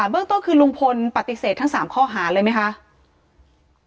เรื่องต้นคือลุงพลปฏิเสธทั้ง๓ข้อหาเลยไหมคะ